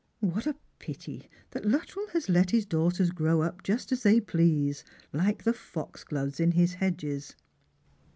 What a pity that Luttrell has let his daughters grow up juat as they please, like the foxgloves in his hedges